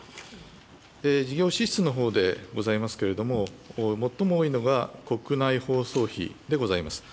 事業支出のほうでございますけれども、最も多いのが国内放送費でございます。